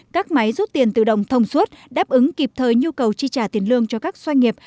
các máy rút tiền tự động thông suốt đáp ứng kịp thời nhu cầu chi trả tiền lương cho các doanh nghiệp